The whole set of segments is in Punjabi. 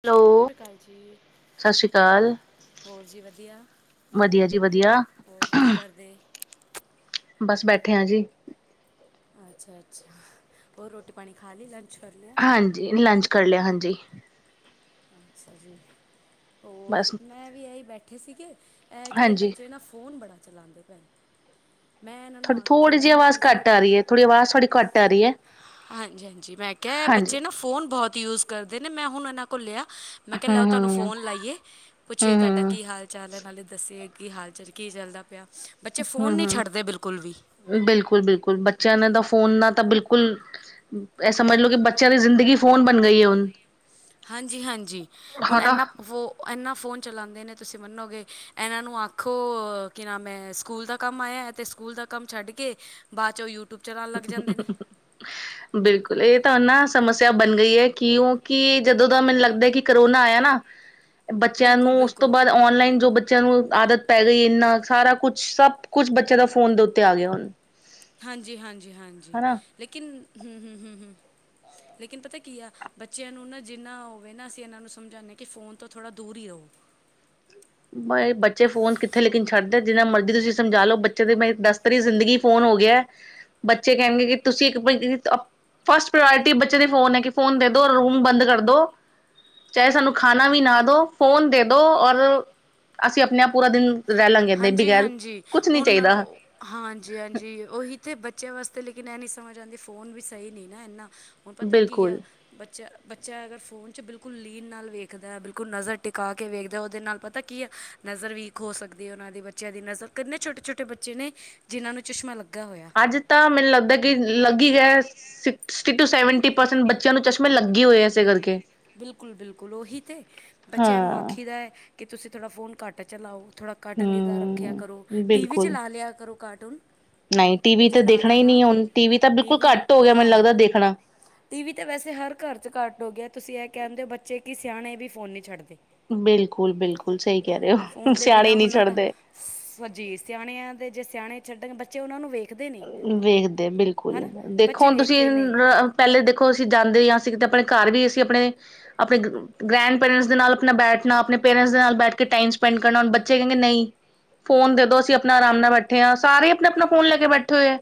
[unintelligible] ਕਾਲ ਜੀ। ਸਸ ਸ਼੍ਰੀ ਕਾਲ। ਹੋਰ ਜੀ ਵਧੀਆ ਜੀ ਵਧੀਆ, ਹੋਰ ਕੀ ਕਰਦੇ? ਬਸ ਬੈਠੇ ਆ ਜੀ। ਅੱਛਾ-ਅੱਛਾ ਹੋਰ ਰੋਟੀ ਪਾਣੀ ਖਾ ਲੀ ਲੰ ਹਾਂਜੀ ਲੰਚ ਕਰ ਲਿਆ ਹਾਂਜੀ। ਅੱਛਾ ਜੀ ਹੋਰ ਬਸ ਮੈਂ ਵੀ ਐਈ ਬੈਠੇ ਸੀਗੇ ਐ ਇਕ ਤੇ ਹਾਂਜੀ। ਬੱਚੇ ਨਾ ਫੋਨ ਬੜਾ ਚਲਾਂਦੇ ਭੈ ਥੋਡੀ ਥੋੜ੍ਹੀ ਜੀ ਆਵਾਜ਼ ਘੱਟ ਆਰੀ ਐ ਥੋੜੀ ਅਵਾਜ ਥੋੜੀ ਘੱਟ ਆ ਰੀ ਐ। ਹਾਂਜੀ-ਹਾਂਜੀ ਮੈਂ ਕਿਅ ਬੱਚੇ ਨਾ ਫੋਨ ਬੋਹਤ ਯੂਜ ਕਰਦੇ ਨੇ ਮੈਂ ਹੁਣ ਐਨਾਂ ਕੋਲ ਲਿਆ ਮੈਂ ਕਿਆ ਲੈ ਆਓ ਤੁਹਾਨੂੰ ਹੂੰ-ਹੂੰ, ਫੋਨ ਲਾਈਏ ਪੁੱਛੀਏ ਤੁਹਾਡਾ ਹੂੰ-ਹੂੰ, ਕੀ ਹਾਲ ਚਾਲ ਐ ਨਾਲੇ ਦੱਸੇ ਕੀ ਹਾਲ ਚਾਲ ਕੀ ਚੱਲਦਾ ਪਿਆ ਬੱਚੇ ਫੋਨ ਨੀ ਛੱਡਦੇ ਬਿਲਕੁਲ ਵੀ। ਬਿਲਕੁੱਲ-ਬਿਲਕੁੱਲ ਬੱਚਿਆਂ ਨੇ ਤਾਂ ਫੋਨ ਨਾਲ ਤਾਂ ਬਿਲਕੁੱਲ ਐ ਸਮਝ ਲੋ ਕੀ ਬੱਚਿਆਂ ਦੀ ਜ਼ਿੰਦਗੀ ਫੋਨ ਬਣ ਗਈ ਐ ਹੁਣ। ਹਾਂਜੀ-ਹਾਂਜੀ ਹੁਣ ਹਨਾ। ਐਨਾਂ ਵੋ ਐਨਾਂ ਫੋਨ ਚਲਾਂਦੇ ਨੇ ਤੁਸੀਂ ਮੰਨੋਗੇ ਐ ਨਾਂ ਨੂੰ ਆਖੋ ਕੀ ਨਾਮ ਐ ਸਕੂਲ ਦਾ ਕੰਮ ਆਇਆ ਤੇ ਸਕੂਲ ਦਾ ਕੰਮ ਛੱਡ ਕੇ ਬਾਦ ਚੋਂ ਯੂ [inaudible] [inaudible] ਬਿਲਕੁੱਲ ਏ ਤਾਂ ਨਾ ਸਮੱਸਿਆ ਬਣ ਗਈ ਐ ਕਿਉਂਕੀ ਜਦੋਂ ਦਾ ਮੈਨੂੰ ਲੱਗਦਾ ਕੀ ਕਰੋਨਾ ਆਇਆ ਨਾ [unintelligible] ਬੱਚਿਆਂ ਨੂੰ ਬਿਲਕੁਲ ਉਸ ਤੋਂ ਬਿਲਕੁਲ ਬਾਦ ਔਨਲਾਈਨ ਜੋ ਬ ਚਿਆਂ ਨੂੰ ਆਦਤ ਪੈ ਗਈ ਇੰਨਾ ਸਾਰਾ ਕੁਛ ਸਭ ਕੁਛ ਬੱਚਿਆਂ ਦਾ ਫੋਨ ਦੇ ਉੱਤੇ ਆ ਗਿਆ ਹੁਣ। ਹਾਂਜੀ-ਹਾਂਜੀ-ਹਾਂਜੀ ਹਨਾ ਲੇਕਿਨ ਹੂੰ-ਹੂੰ-ਹੂੰ-ਹੂੰ ਲੇਕਿਨ ਪਤਾ ਕੀ ਆ ਬੱਚਿਆਂ ਨੂੰ ਨਾ ਜਿੰਨਾ ਹੋਵੇ ਨਾ ਅਸੀਂ ਏਨਾਂ ਨੂੰ ਸਮਝਾਨੇ ਆ ਕੀ ਫੋਨ ਤੋਂ ਥੋੜ੍ਹਾ ਦੂਰ ਈ ਰਓ। ਬ ਬੱਚੇ ਫੋਨ ਕਿੱਥੇ ਲੇਕਿਨ ਛੱਡਦੇ ਜਿੰਨਾ ਮਰਜ਼ੀ ਤੁਸੀਂ ਸਮਝਾ ਲੋੋ ਬੱਚੇ ਦੇ ਮ ਦਸਤਰੀ ਜ਼ਿੰਦਗੀ ਫੋਨ ਹੋ ਗਿਐ ਬੱਚੇ ਕੈਣਗੇ ਕੀ ਤੁਸੀਂ ਇੱਕ [unintelligible] ਫਸਟ ਪ੍ਰੋਰਿਆਟੀ ਬੱਚੇ ਦੇ ਫੋਨ ਐ ਕੀ ਫੋਨ ਦੇ ਦੋ ਰੂਮ ਬੰਦ ਕਰਦੋ ਚਾਏ ਸਾਨੂੰ ਖਾਣਾ ਵੀ ਨਾ ਦੋ ਫੋਨ ਦੇ ਦੋ ਔਰ ਅਸੀਂ ਆਪਣੇ ਆਪ ਪੂਰਾ ਦਿਨ ਰੈ ਲਾਂਗੇ ਏਦੇ ਬਗੈਰ ਹਾਂਜੀ-ਹਾਂਜੀ, ਕੁਛ ਨੀ ਹੁਣ ਚਾਈਦਾ। ਹਾਂਜੀ-ਹਾਂਜੀ ਓਹੀ ਤੇ ਬੱਚਿਆਂ ਵਾਸਤੇ ਲੇਕਿਨ ਐ ਨੀ ਸਮਝ ਆਂਦੀ ਫੋਨ ਵੀ ਸਈ ਨੀ ਨਾ ਐਨਾ। ਹੁਣ ਪਤਾ ਕੀ ਬਿਲਕੁਲ ਆ ਬੱਚਾ-ਬੱਚਾ ਅਗਰ ਫੋਨ ਚ ਬਿਲਕੁਲ ਲੀਨ ਨਾਲ ਵੇਖਦਾ ਬਿਲਕੁਲ ਨਜ਼ਰ ਟਿਕਾ ਕੇ ਵੇਖਦਾ ਓਦੇ ਨਾਲ ਪ ਪਤਾ ਕੀ ਆ ਨਜ਼ਰ ਵੀਕ ਹੋ ਸਕਦ ਉਹਨਾਂ ਦੇ ਬੱਚਿਆਂ ਦੀ ਨਜ਼ਰ ਕਿੰਨੇ ਛੋਟੇ-ਛੋਟੇ ਬੱਚੇ ਨੇ ਜਿਨਾਂ ਨੂੰ ਚਸ਼ਮਾ ਲੱਗਾ ਹੋਇਆ ਅੱਜ ਤਾਂ ਮੈਨੂੰ ਲੱਗਦਾ ਕਿ ਲੱਗੀ ਗਏ ਐ ਸ ਸਕਸਟੀ ਟੂ ਸੈਵਨਟੀ ਪਰਸੈਂਟ ਬੱਚਿਆਂ ਨੂੰ ਚ ਲਗੀ ਹੋਈ ਬਿਲਕੁਲ ਬਿਲਕੁਲ ਉਹੀ ਤੇ ਬੱਚਿਆਂ ਨੂੰ ਹਾਂ ਆਖੀਦਾ ਹੈ ਕਿ ਤੁਸੀਂ ਥੋੜਾ ਫੋਨ ਘੱਟ ਚਲਾਓ ਥੋੜਾ ਘੱਟ ਨਿਗਾਹ ਰੱਖਿਆ ਹੂੰ ਕਰੋ ਟੀ ਵੀ ਬਿਲਕੁਲ ਚਲਾ ਲਿਆ ਕਰੋ ਕਾਰਟੂਨ ਨਹੀਂ ਟੀ ਵੀ ਜੇ ਤੇ ਦੇਖਣਾ ਲਾਣਾ ਹੀ ਹਾਂ ਨਹੀਂ ਹੁਣ ਟੀ ਵੀ ਤਾਂ ਬਿਲਕੁਲ ਘੱਟ ਹੋ ਗਿਆ ਮੈਨੂੰ ਲੱਗਦਾ ਦੇਖਣਾ ਟੀ ਵੀ ਤੇ ਵੈਸੇ ਹਰ ਘਰ ਚ ਘੱਟ ਹੋ ਗਿਆ ਤੁਸੀਂ ਇਹ ਕਹਿਣਦੇ ਹੋ ਬੱਚੇ ਕੀ ਸਿਆਣੇ ਵੀ ਫੋਨ ਨੀਂ ਛੱਡਦੇ ਬਿਲਕੁਲ ਬਿਲਕੁਲ ਸਹੀ ਕਹਿ ਰਹੇ ਹੋ ਸਿਆਣੇ ਨਹੀਂ ਛੱਡ ਦੇ। ਸੱਚੀ ਸਿਆਣਿਆਂ ਦੇ ਜੇ ਸਿਆਣੇ ਛੱਡਣ ਬੱਚੇ ਉਹਨਾਂ ਨੂੰ ਵੇਖਦੇ ਨੇ ਵੇਖਦੇ ਆ ਬਿਲਕੁਲ ਹਨਾ ਦੇਖੋ ਬੱਚੇ ਹੁਣ ਤੁਸੀਂ ਵੇਖਦੇ ਨੇ ਪਹਿਲੇ ਦੇਖੋ ਅਸੀਂ ਜਾਂਦੇ ਹਾਂ ਅਸੀਂ ਕਿਤੇ ਆਪਣੇ ਘਰ ਵੀ ਅਸੀਂ ਆਪਣੇ ਆਪਣੇ ਗ੍ਰੈਂਡ ਪੇਰੈਂਟਸ ਦੇ ਨਾਲ ਆਪਣਾ ਬੈਠਣਾ ਆਪਣੇ ਪੇਰੈਂਟਸ ਦੇ ਨਾਲ ਬੈਠ ਕੇ ਟਾਈਮ ਸਪੈਂਡ ਕਰਨਾ ਹੁਣ ਬੱਚੇ ਕਹੇਗੇ ਨਹੀਂ ਫੋਨ ਦੇ ਦੋ ਅਸੀਂ ਆਪਣਾ ਆਰਾਮ ਨਾਲ ਬੈਠੇ ਆ ਸਾਰੇ ਆਪਣਾ-ਆਪਣਾ ਫੋਨ ਲੈ ਕੇ ਬੈਠੇ ਹੋਏ ਆ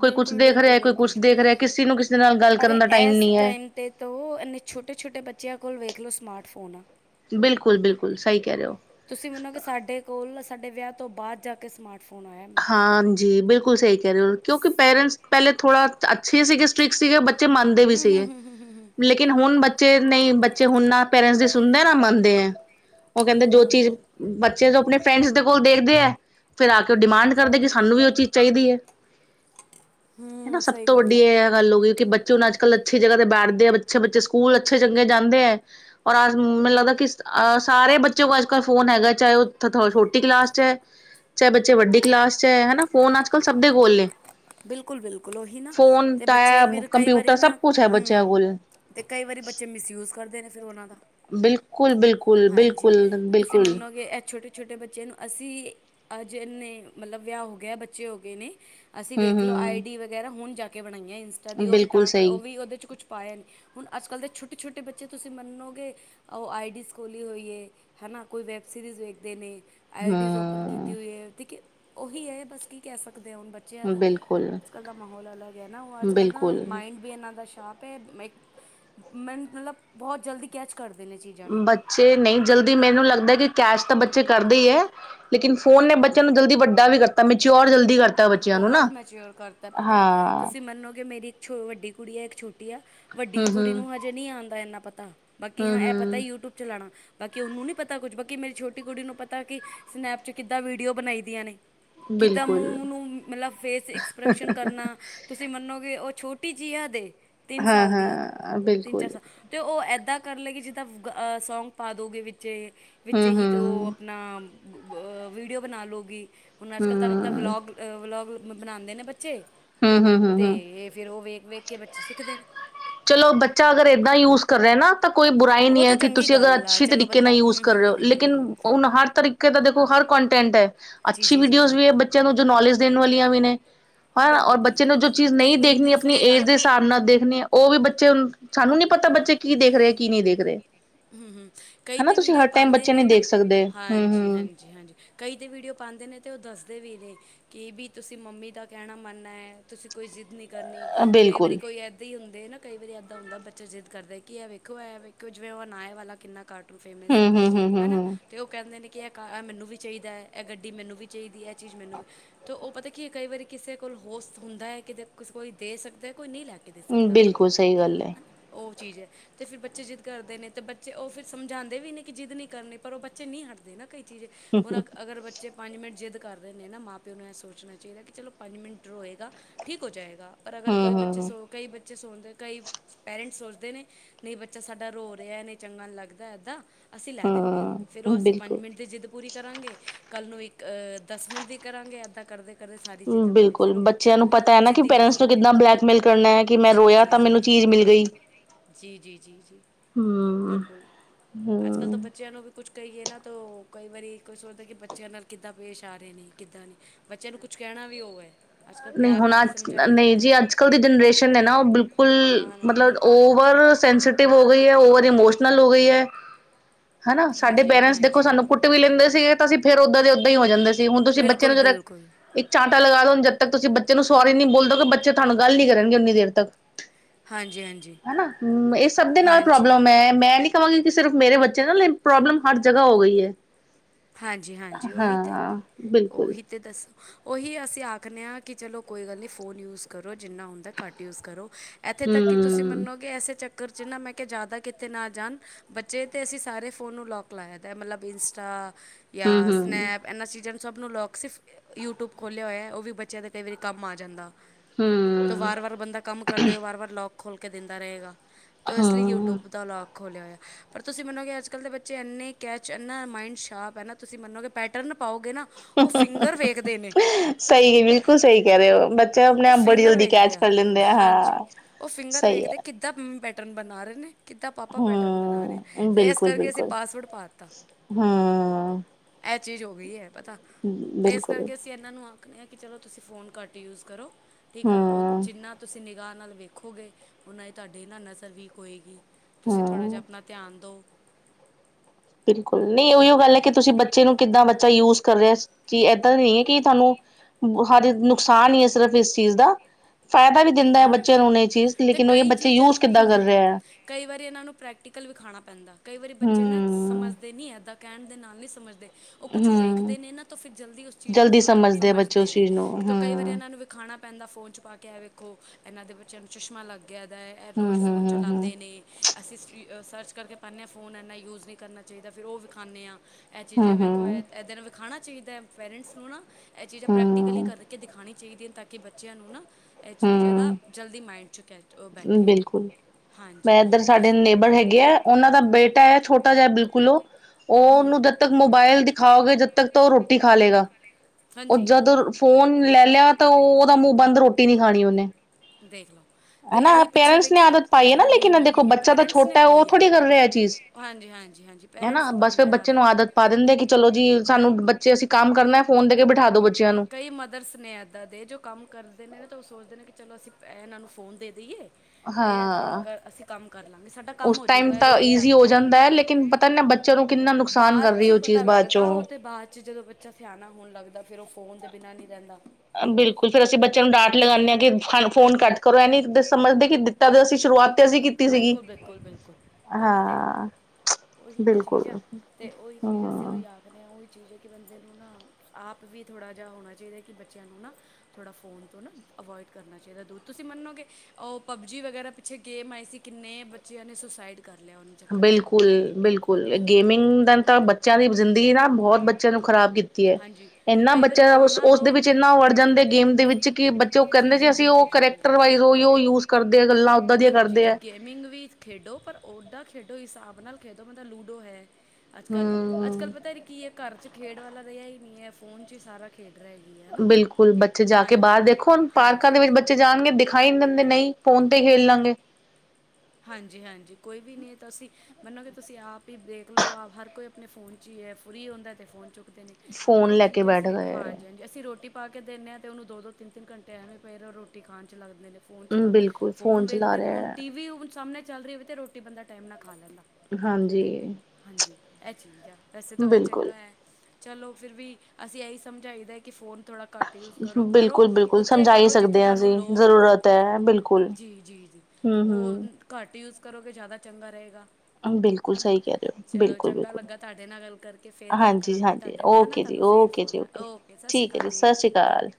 ਕੋਈ ਕੁਛ ਬਿਲਕੁਲ ਦੇਖ ਬਿਲਕੁਲ ਰਿਹਾ ਕੋਈ ਬਿਲਕੁਲ ਕੁਛ ਦੇਖ ਰਿਹਾ ਕਿਸੇ ਨੂੰ ਕਿਸੇ ਦੇ ਨਾਲ ਗੱਲ ਅਰੇ ਕਰਨ ਦਾ ਟਾਈਮ ਇਸ ਨਈ ਹੈ ਟਾਈਮ ਤੇ ਤੋ ਇਨੇ ਛੋਟੇ-ਛੋਟੇ ਬੱਚਿਆਂ ਕੋਲ ਵੇਖ ਲਓ ਸਮਾਰਟਫੋਨ ਆ ਬਿਲਕੁਲ ਬਿਲਕੁਲ ਸਹੀ ਕਹਿ ਰਹੇ ਹੋ ਤੁਸੀਂ ਮੰਨੋਗੇ ਸਾਡੇ ਕੋਲ ਸਾਡੇ ਵਿਆਹ ਤੋਂ ਬਾਦ ਜਾ ਕੇ ਸਮਾਰਟ ਫੋਨ ਆਇਆ ਹੂੰ ਹਾਂਜੀ ਬਿਲਕੁਲ ਸਹੀ ਕਹਿ ਰਹੇ ਹੋ ਕਿਉਂਕਿ ਪੇਰੈਂਟਸ ਪਹਿਲੇ ਥੋੜਾ ਅੱਛੇ ਸੀਗੇ ਸਟ੍ਰਿਕਟ ਸੀਗੇ ਬੱ ਬੱਚੇ ਮੰਨਦੇ ਵੀ ਹੂੰ ਹੂੰ ਸੀਗੇ ਹੂੰ ਹੂੰ ਹੂੰ ਲੇਕਿਨ ਹੁਣ ਬੱਚੇ ਨਹੀਂ ਬੱਚੇ ਹੁਣ ਨਾ ਪੇਰੈਂਟਸ ਦੀ ਸੁਣਦੇ ਨਾ ਮੰਨਦੇ ਐ ਉਹ ਕਹਿੰਦੇ ਜੋ ਹੂੰ ਚੀਜ਼ ਹੂੰ ਹੂੰ ਬੱਚੇ ਜੋ ਆਪਣੇ ਫਰੈਂਡਸ ਦੇ ਕੋਲ ਦੇਖਦੇ ਐ ਫੇਰ ਆ ਕੇ ਉਹ ਡਿਮਾਂਡ ਕਰਦੇ ਕਿ ਸਾਨੂੰ ਵੀ ਉਹ ਚੀਜ਼ ਚਾਹੀਦੀ ਏ ਹਨਾ ਹੂੰ, ਸਭ ਸਹੀ ਤੋਂ ਗੱਲ ਵੱਡੀ ਇਹ ਆ ਗੱਲ ਹੋ ਕਿਉਂਕਿ ਬੱਚੇ ਹੁਣ ਅੱਜ ਕੱਲ ਅੱਛੀ ਜਗ੍ਹਾ ਤੇ ਬੈਠਦੇ ਆ ਅੱਛੇ ਬੱਚੇ ਸਕੂਲ ਅੱਛੇ ਚੰਗੇ ਜਾਂਦੇ ਐ ਔਰ ਆਜ ਮੈਨੂੰ ਲੱਗਦਾ ਕਿ ਅ ਸਾਰੇ ਬੱਚਿਆਂ ਕੋਲ ਅੱਜ ਕੱਲ ਫੋਨ ਹੈਗਾ ਚਾਹੇ ਉਹ ਥ ਛੋਟੀ ਕਲਾਸ ਚ ਐ ਚਾਹੇ ਬੱਚੇ ਵੱਡੀ ਕਲਾਸ ਚ ਹਨਾ ਫੋਨ ਅੱਜ ਕੱਲ੍ਹ ਸਭ ਦੇ ਕੋਲ ਨੇ ਬਿਲਕੁਲ ਬਿਲਕੁਲ ਉਹੀ ਨਾ ਫੋਨ ਤੇ ਬੱਚੇ ਟੈਬ ਫੇਰ ਕਈ ਵਾਰੀ ਕੰਪਿਊਟਰ ਸਭ ਨਾ, ਕੁਛ ਹੈ ਬੱਚਿਆਂ ਹੂੰ ਕੋਲ। ਤੇ ਕਈ ਵਾਰੀ ਬੱਚੇ ਮਿਸਯੂਜ ਕਰਦੇ ਨੇ ਫਿਰ ਉਹਨਾਂ ਦਾ ਬਿਲਕੁਲ ਬਿਲਕੁਲ ਹਾਂਜੀ, ਬਿਲਕੁਲ ਤੁਸੀਂ ਬਿਲਕੁਲ ਮੰਨੋਗੇ ਇਹ ਛੋਟੇ-ਛੋਟੇ ਬੱਚੇ ਨੂੰ ਅਸੀਂ ਅੱਜ ਇਨੇ ਮਤਲਬ ਵਿਆਹ ਹੋ ਗਿਆ ਬੱਚੇ ਹੋ ਗਏ ਨੇ ਅਸੀਂ ਵੇਖ ਲੋ ਆਈ ਹੂੰ-ਹੂੰ, ਡੀ ਵਗੈ ਵਗੈਰਾ ਹੁਣ ਜਾ ਕੇ ਬਣਾਈਆਂ ਇੰਸਟਾ ਦੀ ਉਹ ਵੀ ਬਿਲਕੁਲ ਤਾਂ ਸਹੀ ਉਹ ਵੀ ਉਹਦੇ ਚ ਕੁਛ ਪਾਇਆ ਨੀਂ ਹੁਣ ਅੱਜ ਕੱਲ੍ਹ ਦੇ ਛੋਟੇ-ਛੋਟੇ ਬੱਚੇ ਤੁਸੀਂ ਮੰਨੋਗੇ ਉਹ ਆਈਡੀਜ਼ ਖੋਲੀ ਹੋਈ ਐ ਹਨਾ ਕੋਈ ਵੈਬ ਸੀਰੀਜ਼ ਵੇਖਦੇ ਨੇ ਆਈ ਡੀਜ਼ ਓਪਨ ਕੀਤੀ ਹੂੰ, ਹੋਈ ਐ ਉਹੀ ਐ ਬਸ ਕੀ ਕਹਿ ਸਕਦੇ ਆ ਹੁਣ ਬੱ ਬੱਚਿਆਂ ਦਾ ਬਿਲਕੁਲ। ਅੱਜ ਕੱਲ ਦਾ ਮਾਹੌਲ ਅਲੱਗ ਐ ਨਾ ਉਹ ਅੱਜ ਕੱਲ ਦਾ ਬਿਲਕੁਲ, ਮਾਇੰਡ ਵੀ ਇਹਨਾਂ ਦਾ ਸ਼ਾਰਪ ਮ ਮੈਨ ਮਤਲਬ ਬਹੁਤ ਜਲਦੀ ਕੈਚ ਕਰਦੇ ਨੇ ਚੀਜ਼ਾਂ ਨੂੰ ਬੱਚੇ ਨਹੀਂ ਜਲਦੀ ਮੈਨੂੰ ਲੱਗਦਾ ਕਿ ਕੈਸ਼ ਤਾਂ ਬੱਚੇ ਕਰਦੇ ਹੀ ਐ ਲੇਕਿਨ ਫੋਨ ਨੇ ਬੱਚਿਆਂ ਨੂੰ ਜਲਦੀ ਵੱਡਾ ਵੀ ਕਰਤਾ ਮਿਚਓਰ ਜਲਦੀ ਕਰਤਾ ਬੱਚਿਆਂ ਨੂੰ ਬਹੁਤ ਨਾ ਮੈਚਿਓਰ ਕਰਤਾ ਪਤਾ ਐ ਹਾਂ, ਤੁਸੀਂ ਮੰਨੋਗੇ ਮੇਰੀ ਵੱਡੀ ਕੁੜੀ ਆ ਇੱਕ ਛੋਟੀ ਆ ਵੱਡੀ ਕੁੜੀ ਹੂੰ-ਹੂੰ, ਨੂੰ ਹਜੇ ਨਈ ਆਂਦਾ ਇੰਨਾ ਪਤਾ ਬਾਕੀ ਹਾਂ ਇਹ ਪਤਾ ਹੂੰ-ਹੂੰ, ਯੂਟਿਊਬ ਚਲਾਣਾ ਬਾਕੀ ਉਹਨੂੰ ਨਹੀਂ ਪਤਾ ਕੁਝ ਬਾਕੀ ਮੇਰੀ ਛੋਟੀ ਕੁੜੀ ਨੂੰ ਪਤਾ ਕਿ ਸਨੈਪ ਚ ਕਿੱਦਾਂ ਵੀਡੀਓ ਬਣਾਈ ਦੀਆਂ ਨੇ ਕਿੱਦਾਂ ਬਿਲਕੁਲ। ਮੂੰਹ ਨੂੰ ਮਤਲਬ ਫੇਸ ਐਸਕਪ੍ਰੈਸ਼ਨ ਕਰਨਾ ਤੁਸੀਂ ਮੰਨੋਗੇ ਉਹ ਛੋਟੀ ਜਿਹੀ ਆ ਦੇ, ਤਿੰਨ ਸਾਲ ਦੀ ਆ ਹਾਂ-ਹਾਂ, ਤਿੰਨ ਬਿਲਕੁਲ ਚਾਰ ਸਾਲ ਤੇ ਉਹ ਇੱਦਾਂ ਕਰ ਲਏਗੀ ਜਿੱਦਾਂ ਸੌਂਗ ਪਾ ਦਉਗੇ ਵਿੱਚ ਵਿੱਚ ਹੀ ਹੂੰ-ਹੂੰ, ਅਤੇ ਉਹ ਆਪਣਾ ਵੀਡੀਓ ਬਣਾ ਲਉਗੀ, ਹੁਣ ਅੱਜ ਕੱਲ੍ਹ ਤੁਹਾਨੂੰ ਪਤਾ ਹੂੰ। ਵਲੋਗ ਵਲੋਗ ਬਣਾਉਂਦੇ ਨੇ ਬੱਚੇ, ਹੂੰ-ਹੂੰ, ਹੂੰ-ਹੂੰ। ਤੇ ਫੇਰ ਉਹ ਵੇਖ ਵੇਖ ਕੇ ਬੱਚੇ ਸਿੱਖਦੇ ਨੇ ਚਲੋ ਬੱਚਾ ਅਗਰ ਏਦਾਂ ਯੂਜ ਕਰੇ ਨਾ ਤਾਂ ਕੋਈ ਬੁਰਾਈ ਨਹੀਂ ਉਹ ਹੈ, ਤਾਂ ਕਿ ਚੰਗੀ ਤੁਸੀਂ ਅਗਰ ਗੱਲ ਆ ਅੱਛੇ ਚਲੋ ਤਰੀਕੇ ਨਾਲ ਬੰਦਾ ਯੂਜ ਹੂੰ ਹੂੰ ਕਰ ਰਹੇ ਹੂੰ ਹੋ ਹੂੰ ਹੂੰ ਲੇਕਿਨ ਹੂੰ ਹੂੰ। ਉਹਣ ਹਰ ਤਰੀ ਤਾਂ ਦੇਖੋ ਹਰ ਕੰਟੈਂਟ ਹੈ, ਜੀ ਅੱਛੀ ਜੀ ਜੀ ਵੀਡੀਓਜ਼ ਜੀ ਵੀ ਹੈ ਬੱਚਿਆਂ ਨੂੰ ਜੋ ਨੌਲੇਜ ਦੇਣ ਵਾਲੀਆਂ ਵੀ ਨੇ ਹਨਾ ਔਰ ਬਿਲਕੁਲ ਬੱਚੇ ਬਿਲਕੁਲ ਨੂੰ ਜੋ ਚੀਜ਼ ਕਈ ਨਹੀਂ ਵਾਰੀ ਤੇ ਦੇਖਣੀ, ਉਹ ਤੇ ਆਪਣੀ ਸਮਝਾਣ ਏਜ ਦੇ ਹਿਸਾਬ ਨਾਲ ਦੇਖਣੀ ਐ ਉਹ ਵੀ ਬੱਚੇ, ਸਾਨੂੰ ਨੀ ਪਤਾ ਬੱਚੇ ਕੀ ਦੇਖ ਰਹੇ ਐ, ਕੀ ਨਹੀਂ ਦੇਖ ਰਹੇ ਹੂ ਹੂ ਕਈ ਹਨਾ ਤੇ ਤੁਸੀਂ ਵੀਡੀਓ ਹਰ ਟਾਈਮ ਪਾਉਂਦੇ ਬੱਚੇ ਨੇ ਨਹੀਂ ਨਾ, ਦੇਖ ਸਕਦੇ ਹੂੰ ਹਾਂਜੀ ਹੂੰ ਹਾਂਜੀ ਹਾਂਜੀ ਕਈ ਤੇ ਵੀਡੀਓ ਪਾਉਂਦੇ ਨੇ, ਤੇ ਉਹ ਦੱਸਦੇ ਵੀ ਨੇ ਕਿ ਵੀ ਤੁਸੀਂ ਮੰਮੀ ਦਾ ਕਹਿਣਾ ਮੰਨਨਾ ਹੈ। ਤੁਸੀਂ ਕੋਈ ਜ਼ਿੱਦ ਨਹੀਂ ਕਰਨੀ, ਕਈ ਵਾਰੀ ਬਿਲਕੁਲ ਕੋਈ ਇਦ। ਹੀ ਹੁੰਦੇ ਨਾ ਕਈ ਵਾਰੀ ਏਦਾਂ ਹੁੰਦਾ, ਬੱਚਾ ਜਿੱਦ ਕਰਦਾ ਕਿ ਇਹ ਵੇਖੋ, ਇਹ ਵੇਖੋ, ਜਿਵੇਂ ਉਹ ਨਏ ਵਾਲਾ ਕਿੰਨਾ, ਕਾਰਟੂਨ ਫੇਮਸ ਹੂੰ ਹੈ ਹੂੰ ਹੂੰ ਹੂੰ ਹੈਨਾ। ਹੂੰ ਤੇ ਉਹ ਕਹਿੰਦੇ ਨੇ ਕਿ ਇਹ ਕ ਮੈਨੂੰ ਵੀ ਚਾਹੀਦਾ ਹੈ। ਇਹ ਗੱਡੀ ਮੈਨੂੰ ਵੀ ਚਾਹੀਦੀ, ਇਹ ਚੀਜ਼ ਮੈਨੂੰ ਵੀ, ਤੇ ਉਹ ਪਤਾ ਕੀ ਹੈ ਕਈ ਵਾਰੀ ਕਿਸੇ ਕੋਲ ਹੋਸਤ ਹੁੰਦਾ ਹੈ। ਕਿ ਕੋਈ ਦੇ ਸਕਦਾ ਹੈ। ਕੋਈ ਨਹੀਂ ਲੈ, ਕੇ ਦੇ ਸਕਦਾ ਹਨਾ ਬਿਲਕੁਲ ਸਹੀ ਗੱਲ ਹੈ। ਹਨਾ ਉਹ ਚੀਜ਼ ਹੈ, ਤੇ ਫਿਰ ਬੱਚੇ ਜਿੱਦ, ਕਰਦੇ ਨੇ, ਤੇ ਬੱਚੇ ਉਹ ਫਿਰ ਸਮਝਾਉਂਦੇ ਵੀ ਨੇ, ਕਿ ਜਿੱਦ ਨੀ ਕਰਨੀ, ਪਰ ਉਹ ਬੱਚੇ ਨਹੀਂ ਹਟਦੇ ਨਾ। ਕਈ ਚੀਜ਼ ਐ, ਹੁਣ ਅਗਰ ਬੱਚਾ, ਜੇ ਪੰਜ ਮਿੰਟ ਜਿੱਦ ਕਰਦੇ ਨੇ ਨਾ, ਮਾਂ ਪਿਓ ਨੂੰ ਇਹ ਸੋਚਣਾ ਚਾਹੀਦਾ, ਕਿ ਚਲੋ ਪੰਜ ਮਿੰਟ ਰੋਏਗਾ। ਠੀਕ ਹੋ ਜਾਏਗਾ। ਪਰ ਅਗਰ ਹੂੰ ਕੋਈ ਬੱਚੇ ਹੂੰ ਸੋ, ਕਈ ਬੱਚੇ ਸੋਚਦੇ ਕਈ ਪੇਰਸ ਸੋਚਦੇ ਨੇ ਨਹੀਂ ਬੱਚਾ ਸਾਡਾ, ਰੋ ਰਿਹਾ ਨੀ ਚੰਗਾ ਨੀ ਲੱਗਦਾ ਇਦਾਂ, ਅਸੀਂ ਲੈ ਦਿੰਨੇ ਆ, ਫਿਰ ਉਹ ਹੂੰ ਅਸੀਂ ਪੰਜ ਬਿਲਕੁਲ ਮਿੰਟ ਜਿੱਦ ਪੂਰੀ ਕੀਤੀ। ਕਰਾਂਗੇ, ਕੱਲ ਨੂੰ ਇੱਕ ਦਸ ਮਿੰਟ ਦੀ ਕਰਾਂਗੇ, ਇੱਦਾਂ ਕਰਦੇਂ-ਕਰਦੇ। ਬਿਲਕੁਲ ਬੱਚਿਆਂ ਨੂੰ ਪਤਾ ਹੈ ਨਾ ਕਿ ਜਿੱਦੀ ਹੋ ਪੇਰਸ ਨੂੰ ਜਾਂਦਾ ਕਿੱਦਾਂ ਬਲੈਕਮੇਲ ਕਰਨਾ ਹੈ। ਕਿ ਮੈਂ ਰੋਇਆ ਤਾਂ ਮੈਨੂੰ ਚੀਜ਼ ਮਿਲ ਗਈ। ਜੀ, ਜੀ, ਜੀ, ਜੀ ਹੂੰ ਬਿਲਕੁਲ, ਅੱਜ ਕੱਲ ਤਾਂ ਹੂੰ ਬੱਚਿਆਂ ਨੂੰ ਵੀ। ਕੁਛ ਕਹੀਏ ਨਾ ਤਾਂ ਕਈ ਵਾਰੀ, ਕੋਈ ਸੋਚਦਾ ਕਿ ਬੱਚਿਆਂ ਨਾਲ ਕਿੱਦਾਂ ਪੇਸ਼ ਆ ਰਹੇ ਨੇ, ਕਿੱਦਾਂ ਨਹੀਂ, ਬੱਚਿਆਂ ਨੂੰ ਕੁਛ ਕਹਿਣਾ ਵੀ ਔ ਐ। ਨਹੀਂ ਹੁਣ ਅੱਜ ਨਹੀਂ ਜੀ ਅੱਜ ਕੱਲ੍ਹ ਦੀ ਜਨਰੇਸ਼ਨ ਹੈ ਨਾ ਉਹ ਬਿਲਕੁਲ ਨਾ ਨਾ ਮਤਲਬ ਬਿਲਕੁਲ ਓਵਰ ਸੇੰਸ ਤੇ ਹੋ ਗਈ ਹੈ। ਓਵਰ ਇਮੋਸ਼ਨਲ ਹੋ ਗਈ ਹੈ। ਹੈਨਾ ਸਾਡੇ ਹਾਂਜੀ ਪੇਰੈਂਟਸ ਦੇਖੋ ਹਾਂਜੀ ਸਾਨੂੰ, ਕੁੱਟ ਵੀ ਲੈਂਦੇ ਸੀਗੇ ਤਾਂ ਅਸੀ ਫੇਰ ਉਦਾਂ ਦੇ ਉਦਾਂ ਹੀ ਹੋ ਜਾਂਦੇ ਸੀ, ਹੁਣ ਤੁਸੀਂ ਬੱਚੇ ਬਿਲਕੁਲ ਨੂੰ ਜਦੋਂ ਬਿਲਕੁਲ ਇੱਕ ਚਾਂਟਾ ਲਗਾ ਦੋ ਜਦ ਤੱਕ ਤੁਸੀਂ ਬੱਚੇ ਨੂੰ ਸੋਰੀ ਨ ਬੋਲੋਗੇ, ਕਿ ਬੱਚੇ ਤੁਹਾਨੂੰ ਗੱਲ ਨੀ ਕਰਨਗੇ। ਉਨੀ ਦੇਰ ਤੱਕ। ਹਾਂਜੀ ਹਾਂਜੀ ਹੈਨਾ ਇਹ ਸਭ ਦੇ ਨਾਲ ਹਾਂਜੀ ਪ੍ਰੋਬਲਮ ਹੈ। ਮੈਂ ਨੀ, ਮੈਂ ਕਹਾਂਗੀ ਕਿ ਸਿਰਫ਼ ਮੇਰੇ ਬੱਚੇ ਨਾਲ ਨੀ, ਪ੍ਰੋਬਲਮ ਹਰ ਜਗਾਹ ਹੋ ਗਈ ਹੈ। ਹਾਂਜੀ-ਹਾਂਜੀ, ਉਹੀ ਤੇ ਹਾਂ ਬਿਲਕੁਲ ਉਹੀ। ਤੇ ਦੱਸੋ ਉਹੀ ਅਸੀਂ ਆਖਦੇ ਹਾਂ ਕਿ ਚਲੋ, ਕੋਈ ਗੱਲ ਨਹੀਂ ਫੋਨ ਯੂਜ ਕਰੋ। ਜਿਨਾ ਹੁੰਦਾ ਘੱਟ ਯੂਜਜ਼ ਕਰੋ, ਤੇ ਏਥੇ ਤੱਕ ਕਿ ਤੁਸੀਂ, ਹਮ ਮੰਨੋਗੇ ਇਸੇ ਚੱਕਰ ਚ ਨਾ ਮੈਂ ਕਿਹਾ ਜ਼ਿਆਦਾ ਕਿੱਥੇ ਨਾ ਜਾਣ, ਬੱਚੇ ਤੇ ਅਸੀਂ ਸਾਰੇ ਫੋਨ ਨੂੰ ਲੌਕ, ਲਾਆਦਾ ਮਤਲਬ, ਇੰਸਟਾ ਹਮ ਜਾਂ ਹਮ ਸਨੈਪ ਇਹਨਾਂ ਚੀਜ਼ਾਂ ਨੂੰ ਸਭ ਨੂੰ ਲੋਕ, ਸਿਰਫ ਯੂਟਿਊਬ ਖੋਲ੍ਹਿਆ ਹੋਇਆ। ਉਹ ਵੀ ਬੱਚਿਆਂ ਦਾ ਕਈ ਵਾਰੀ ਕੰਮ ਆ ਜਾਂਦਾ। ਹੂ ਤ ਵਾਰ ਵਾਰ ਬੰਦਾ ਕੰਮ ਕਰਦੇ ਹੋ ਵਾਰ ਵਾਰ ਲੌਕ ਖੋਲ੍ਹ ਕੇ ਦਿੰਦਾ ਰਹੇਗਾ, ਤਾਂ ਇਸ ਲਈ ਹਮ ਯੂਟਿਊਬ ਦਾ ਲੋਕ, ਖੋਲਿਆ ਹੋਇਆ, ਪਰ ਤੁਸੀਂ ਮੰਨੋਗੇ ਅੱਜ ਕੱਲ੍ਹ ਦੇ ਬੱਚੇ ਇੰਨੇ ਕੈਚ ਇਨਾ ਮਾਈੰਡ ਸ਼ਾਪ, ਪਹਿਲਾਂ ਤੁਸੀਂ ਮੰਨੋਗੇ ਪੈਟਰਨ ਪਾਓਗੇ ਨਾ ਉਹ ਫਿੰਗਰ ਵੇਖਦੇ ਨੇ। ਸਹੀ ਹੈ, ਬਿਲਕੁਲ ਸਹੀ ਕਹਿ ਰਹੇ ਹੋ ਬ ਚੇ ਆਪਣੇ ਉਹ ਆਪ ਬੜੀ ਫਿੰਗਰ ਜਲਦੀ ਵੇਖਦੇ ਕੈਚ ਕਰ ਲੈਂਦੇ ਆ, ਹਾਂ ਸਹੀ ਹੈ। ਮੰਮੀ ਪੈਟਰਨ ਬਣਾ ਰਹੇ ਨੇ। ਕਿੱਦਾਂ ਪਾਪਾ ਪੈਟਰਨ ਬਣਾ ਰਹੇ ਹਮ ਅਤੇ ਇਸ ਬਿਲਕੁਲ ਕਰਕੇ ਅਸੀਂ ਬਿਲਕੁਲ ਪਾਸਵਰਡ ਪਾਤਾ। ਹਮ ਇਹ ਚੀਜ਼ ਹੋ ਗਈ ਹੈ ਪਤਾ ਤੇ ਇਸ ਬਿਲਕੁਲ ਕਰਕੇ ਅਸੀਂ, ਇਹੈਨ ਨੂੰ ਆਖਨੇ ਹ ਕਿ ਚਲੋ ਤੁਸੀਂ ਫੋਨ ਘੱਟ ਯੂਜ਼ ਕਰੋ। ਠੀਕ ਆ ਉਹ ਹਮ ਜਿੰਨਾ ਤੁਸੀਂ ਨਿਗਾਹ ਨਾਲ ਵੇਖੋਗੇ ਉਨਾਂ ਹੀ ਤੁਹਾਡੀੇ ਨਾ ਨਜ਼ਰ ਵੀਕ ਹੋਏਗੀ। ਤੁਸੀਂ ਥੋੜ੍ਹਾ ਹਮ ਜਿਹਾ ਆਪਣਾ ਧਿਆਨ ਦਿਉ। ਬਿਲਕੁਲ ਨਹੀਂਓ ਉਹੀਓ ਗੱਲ ਹੈ ਕਿ ਤੁਸੀਂ ਬੱਚੇ ਨੂੰ ਕਿੱਦਾਂ ਬੱਚਾ ਯੂਜ ਕਰ ਰਿਹਾ। ਚ ਏਦਾਂ ਨਹੀਂ ਹੈ ਕਿ ਤੁਹਾਨੂੰ ਹਜ ਨੁਕਸਾਨ ਹੀ ਹੈ ਸਿਰਫ ਇਸ ਚੀਜ਼ ਦਾ। ਫਾਇਦਾ ਵੀ ਦਿੰਦਾ ਹੈ ਬੱਚਿਆਂ ਨੂੰ ਹੁਣ ਇਹ ਚੀਜ਼ ਅਤੇ ਲੇਕਿਨ ਓਹੀ ਕਈ ਬੱਚੇ ਚੀਜ਼ਾਂ ਯੂਜ ਨੂੰ ਕਿੱਦਾਂ ਹੂੰ ਕਰ ਹੂੰ ਰੇ ਹੂੰ ਆ ਕਈ ਵਾਰੀ ਇਹਨਾਂ ਨੂੰ ਪ੍ਰੈਕਟੀਕਲ ਵਿਖਾਉਣਾ ਪੈਂਦਾ ਕਈ ਵਾਰੀ ਬੱਚੇ ਨਾ ਸਮਝ। ਹਮ ਨਹੀਂ ਏਦਾਂ ਕਹਿਣ ਦੇ ਨਾਲ ਨਹੀਂ ਸਮਝਦੇ। ਉਹ ਕੁਛ ਹਮ ਵੇਖਦੇ ਨੇ ਨਾ ਤਾਂ ਫਿਰ ਜਲਦੀ ਉਸ ਚੀਜ਼ ਨੂੰ ਜਲਦੀ ਥੋੜਾ ਆ ਬੱਚੇ ਸਮਝਦੇ ਉਸ ਨੇ ਚੀਜ਼ ਨੂੰ ਕਈ ਵਾਰੀ ਹਮ ਇਹਨਾਂ ਨੂੰ ਵਿਖਾਣਾ, ਪੈਂਦਾ ਫੋਨ ਛਪਾ ਕੇ ਆ ਵੇਖੋ ਇਹਨਾਂ ਦੇ ਬੱਚਿਆਂ ਨੂੰ ਚਸ਼ਮਾ ਲੱਗ ਗਿਆਦਾ ਇਹ ਰੋਜ਼ ਹਮ ਫੋਨ ਹਮ ਹਮ ਚਲਾਉਂਦੇ ਨੇ ਅਸੀਂ ਸਰਚ ਕਰਕੇ ਪਨੇ ਹਾਂ ਫੋਨ ਇੰਨਾ ਯੂਜ ਨਹੀਂ ਕਰਨਾ ਚਾਹੀਦਾ ਫਿਰ ਉਹ ਵਿਖਾਨੇ ਹਾਂ ਇਹ ਚੀਜ਼ਾਂ ਹਮ ਵੇਖੋ ਹੈ ਹਮ ਇਹ ਦਿਨ ਵ ਵਿਖਾਣਾ ਚਾਹੀਦਾ ਪੇਰੈਂਟਸ ਨੂੰ ਨਾ ਇਹ ਚੀਜ਼ਾਂ ਪ੍ਰੈਕਟੀਕਲੀ ਹਮ ਕਰਕੇ ਦਿਖਾਣੀ ਚਾਹੀਦੀਆਂ ਹਨ ਤਾਂ ਕਿ ਬੱਚਿਆਂ ਨੂੰ ਨਾ ਇਹ ਚੀਜ਼ਾਂ ਦਾ ਹਮ ਜਲਦੀ ਮਾਇਂਡ 'ਚ ਕੈ ਓਹ ਬੈਠੇ ਬਿਲਕੁਲ ਹਾਂਜੀ ਮੈਂ ਇੱਧਰ ਤਾਂ ਸਾਡੇ ਹੀ ਨੇਬਰ ਹੈਗੇ ਆ ਉਹਨਾਂ ਦਾ ਬੇਟਾ ਹੈ ਛੋਟਾ ਜਿਹਾ ਬਿਲਕੁਲ ਉਹ ਹੂੰ ਉਹਨੂੰ ਜਦ ਤੱਕ ਮੋਬਾਇਲ ਦਿਖਾਓਗੇ ਜਦ ਤੱਕ ਤਾਂ ਉਹ ਰੋਟੀ ਖਾ ਲਏਗਾ ਉਹ ਹਾਂਜੀ ਜਦ ਫੋਨ ਲੈ ਲਿਆ ਤਾਂ ਉਹ ਉਹਦਾ ਮੂੰਹ ਬੰਦ ਰੋਟੀ ਨੀ ਖਾਣੀ ਉਹਨੇ ਦੇਖ ਲਓ ਤੇ ਹਨਾ ਇਹੀ ਪਿੱਛੇ ਪੇਰੈਂਟਸ ਨੇ ਵੇਖਿਆ ਆਦਤ ਪਾਈ ਹੈ ਨਾ ਹਮ ਹਮ ਲੇਕਿਨ ਹਮ ਦੇਖੋ ਹਮ ਬੱਚਾ ਤਾਂ ਪੇਰੈਂਟਸ ਨੇ ਛੋਟਾ ਹੈ ਉਹ ਪਾਈ ਆ ਥੋੜ੍ਹੀ ਕਰ ਰਿਹਾ ਚੀਜ਼ ਹਾਂਜੀ ਹਾਂਜੀ ਹਾਂਜੀ ਪੇਰੈਂਟਸ ਹਨਾ ਹੀ ਬਸ ਫਿਰ ਪਾਉਂਦਾ ਆ ਬੱਚੇ ਨੂੰ ਆਦਤ ਪਾ ਦਿੰਦੇ ਆ ਕਿ ਚਲੋ ਜੀ ਸਾਨੂੰ ਬੱਚੇ ਅਸੀਂ ਕੰਮ ਕਰਨਾ ਫੋਨ ਤੇ ਕੇ ਬਿਠਾ ਦੋ ਬੱਚਿਆਂ ਨੂੰ ਕਈ ਮਦਰਸ ਨੇ ਇਏਦਾਂ ਦੇ ਜੋ ਕੰਮ ਕਰਦੇ ਨੇ ਤਾਂ ਉਹ ਸੋਚਦੇ ਨੇ ਕਿ ਚਲੋ ਅਸੀਂ ਇਹਨਾਂ ਨੂੰ ਫੋਨ ਦੇ ਦੇਈਏ ਤੇ ਇਹ ਕੰਮ ਹਾਂ ਕਰ ਅਸੀਂ ਕੰਮ ਕਰ ਲਾਂਗੇ ਸਾਡਾ ਕੰਮ ਹੋਜੂਗਾ ਰੋਏ ਗਾ ਨਿ ਹੁੰਦਾ ਲੇਕਿਨ ਪਤਾ ਨ ਨਾ ਬੱਚਿਆਂ ਨੂੰ ਕਿੰਨਾ ਨੁਕਸਾਨ ਬਾਅਦ ਕਰ ਚ ਰਹੀ ਉਹ ਪਤਾ ਚੀਜ਼ ਬਾਅਦ ਚੋਂ ਲੱਗਦਾ ਉਹ ਤੇ ਬਾਅਦ ਚ ਜਦੋਂ ਬੱਚਾ ਸਿਆਣਾ ਹੋਣ ਲੱਗਦਾ ਫਿਰ ਉਹ ਫੋਨ ਦੇ ਬਿਨਾਂ ਨਹੀਂ ਰਹਿੰਦਾ ਬਿਲਕੁਲ ਫੇਿਰ ਅਸੀਂ ਬੱਚਿਆਂ ਨੂੰ ਡਾਂਟ ਲਗਾਉਂਦੇ ਹਾਂ ਕਿ ਫੋਨ ਘਟ ਕਰੋ ਇਹਨੀ ਸਮਝਦੇ ਕਿ ਦਿੱਤਾ ਅਸੀਂ ਸ਼ੁਰੂਆਤ ਤੇ ਅਸੀਂ ਕੀਤੀ ਸੀਗੀ ਬਿਲਕੁਲ ਬਿਲਕੁਲ ਬਿਲਕੁਲ ਓਹੀ ਤੇ ਹਾਂ ਉਹ ਹਿ ਤੇ ਬਿਲਕੁਲ ਚੀਜ਼ ਆ ਤੇ ਉਹਹੀ ਚੀਜ਼ ਅਸੀਂ ਹਮ ਓਹੀਆ ਖ ਹਾਂ ਉਹੀ ਚੀਜ਼ ਹੈ ਕਿ ਬੰਦੇ ਨੂੰ ਨਾ ਆਪ ਵੀ ਥੜ੍ਹਾ ਜਿਹਾ ਹੋਣਾ ਚਾਹੀਦਾ ਕਿ ਬੱਚਿਆਂ ਨੂੰ ਨਾ ਥੋੜ੍ਹਾ ਫੋਨ ਤੋਂ ਨਾ ਅਵੋਇਡ ਕਰਨਾ ਚਾਹੀਦਾ ਦੂੱਧ ਤੁਸੀਂ ਮੰਨੋਗੇ ਉਹ ਪਬਜੀ ਵਗੈਰਾ ਪਿੱਛੇ ਗੇਮ ਆਈ ਸੀ ਅਸੀਂ ਕਿੰਨੇ ਬੱਚਿਆਂ ਨੇ ਸੁਸਾਈਡ ਕਰ ਲਿਆ ਨ ਬਿਲਕੁਲ ਬਿਲਕੁਲ ਗੇਮਿੰਗ ਦਾ ਤਾਂ ਬੱਚਿਆਂ ਦੀ ਜ਼ਿੰਦਗੀ ਨਾ ਬਹੁਤ ਬੱਚਿਆਂ ਨੂੰ ਖ਼ਰਾਬ ਕੀਤੀ ਹੈ ਹਾਂਜੀ ਤੇ ਇੰਨਾ ਕਈ ਵਾਰੀ ਬੱਚਾ ਉਸ ਖਾਣਾ ਉਸਦੇ ਦੋ ਵਿੱਚ ਇੰਨਾ ਵਰ ਜਾਂਦੇ ਗੇਮ ਦੇ ਵਿੱਚ ਕਿ ਬੱਚੇ ਉਹ ਜੀ ਕਹਿੰਦੇ ਜ ਜੀ ਅਸੀਂ ਜੀ ਜੀ ਉਹ ਜੀ ਜੀ ਜੀ ਕਰੈਕਟਰ ਵਈਜ਼ ਦ ਉਹ ਯੂਜ ਕਰਦੇ ਆ ਗੱਲਾਂ ਓਦਾਂ ਦੀਆਂ ਜੀ ਜੀ ਕਰਦੇ ਜੀ ਹੈ ਗੇਮਿੰਗ ਵਿਥ ਖੇਡੋ ਪਰ ਉਓਦਾਂ ਖੇਡੋ ਹਿਸਾਬ ਨਾਲ ਖੇਡੋ ਮਤਲਬ ਲੂਡੋ ਹੈ ਅੱਜ ਕੱਲ੍ਹ-ਅੱਜ ਹੂੰ ਕੱਲ੍ਹ ਪਤਾ ਨੀ ਕੀ ਏ ਘਰ ਚ ਖੇਡ ਵਾਲਾ ਰਿਆ ਈ ਨਈ ਏ, ਫੋਨ ਚ ਈ ਸਾਰਾ ਖੇਡ ਰੈ ਗਿਆ। ਬਿਲਕੁਲ ਬੱਚੇ ਜਾ ਕੇ ਬਾਰ ਦੇਖੋ ਹੁਨ ਪਾਰਕਾਂ ਹਾਂਜੀ ਦੇ ਵਿੱਚ ਬ ਬੱਚੇ ਜਾਨਗੇ ਦਿਖਾਈ ਨੀ ਦਿੰਦੇ, ਨਈ ਫੋਨ ਤੇ ਖੇਲ ਲਾਂਗੇ। ਹਾਂਜੀ-ਹਾਂਜੀ ਕੋਈ ਵੀ ਨੀ ਤਾਂ ਅਸੀਂ ਮੰਨੋਗੇ ਤੁਸੀਂ ਆਪ ਈ ਦੇਖ ਲੋ ਆਪ ਹਰ ਕੋਈ ਆਪਨੇ ਫੋਨ ਚ ਈ ਏ, ਫਰੀ ਹੁੰਦੈ ਤੇ ਫੋਨ ਚੁੱਕਦੇ ਨੇ। ਫੋਨ ਉਈ ਲੈ ਕੇ ਚੀਜ਼ ਏ ਬੈਠ ਅਸੀਂ ਗਏ ਹਾਂਜੀ ਹਾਂਜੀ। ਅਸੀਂ ਰੋਟੀ ਪਾ ਕੇ ਦਿਨੇ ਆਂ ਤੇ ਉਨੂੰ ਦੋ-ਦੋ ਤਿੰਨ-ਤਿੰਨ ਘੰਟੇ ਐਵੇਂ ਪਏ ਰੋਟੀ ਖਾਨ ਚ ਲੱਗਦੇ ਨੇ। ਫੋਨ ਚਲਾ ਬਿਲਕੁਲ ਫੋਨ ਚਲਾ ਵੇਖਦੇ ਰਹੇ ਹੁਨ ਰਿਹਾ ਟੀ ਵੀ ਹੁਨ ਸਾਹਮਨੇ ਚੱਲ ਰਐ ਹੋਵੇ ਤੇ ਰੋਟੀ ਬੰਦਾ ਟੈਮ ਨਾਲ ਖਾ ਲੈਂਦਾ। ਹਾਂਜੀ ਹਾਂਜੀ ਐ ਚੀਜ਼ ਆ ਵੈਸੇ ਤਾਂ ਐ ਬਿਲਕੁਲ ਚੰਗਾ ਏ। ਚਲੋ ਫਿਰ ਵੀ ਅਸੀਂ ਏਹੀ ਸਮਝਾਈਦੈ ਕਿ ਫੋਨ ਥੋੜ੍ਹਾ ਘੱਟ ਯੂਜ ਕਰੋ, ਕਰੋ ਬਿਲਕੁਲ ਬਿਲਕੁਲ ਉੱਥੇ ਸਮਝਾ ਹੀ ਕਰੋ ਜਿੱਥੇ ਸਕਦੇ ਹਾਂ ਤੁਆਨੂੰ ਅਸੀਂ ਲੋੜ ਆ। ਜ਼ਰੂਰਤ ਜੀ ਜੀ ਜੀ ਹੂੰ ਉਹ ਹੂੰ ਘੱਟ ਯੂਜ਼ ਕਰੋਗੇ ਜਾਦਾ ਚੰਗਾ ਰਏਗਾ। ਬਿਲਕੁਲ ਸਈ ਕੈ ਰਏ ੳ। ਚਲੋ ਚੰਗਾ ਲੱਗਾ ਤਾਡੇ ਨਾਲ ਗੱਲ ਕਰਕੇ ਫੇਰ ਗੱਲ ਕਰਾਂਗੇ ਹਾਂਜੀ-ਹਾਂਜੀ, ਤਡੇ ਨਾਲ ਹੈ ਨਾ ਓਕੇ ਤੁਆਨੂੰ ਫੇਰ ਫੋਨ ਕਰ ਓ। ਸਸ ਸ਼੍ਰੀ ਕਾਲ। ਸਸ ਸ਼੍ਰੀ ਕਾਲ।